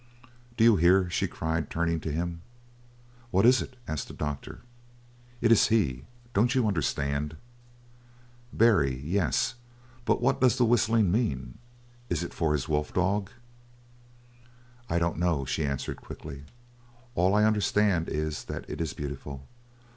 "Do you hear?" she cried, turning to him. "What is it?" asked the doctor. "It is he! Don't you understand?" "Barry? Yes! But what does the whistling mean; is it for his wolf dog?" "I don't know," she answered quickly. "All I understand is that it is beautiful.